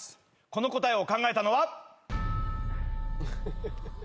この答えを考えたのは。